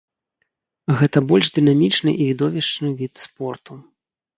Гэта больш дынамічны і відовішчны від спорту.